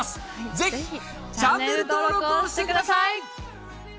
ぜひチャンネル登録をしてください！